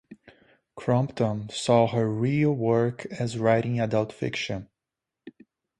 Crompton saw her "real" work as writing adult fiction.